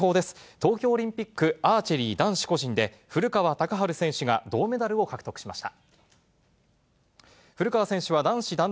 東京オリンピックアーチェリー男子個人で、古川高晴選手が銅メダルを獲得しました。